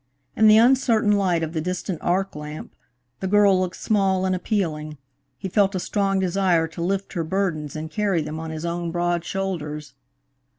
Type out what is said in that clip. In the uncertain light of the distant arc lamp, the girl looked small and appealing. He felt a strong desire to lift her burdens and carry them on his own broad shoulders.